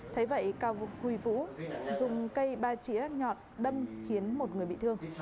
thấy vậy kha huy vũ dùng cây ba chỉa nhọt đâm khiến một người bị thương